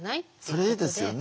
それいいですよね。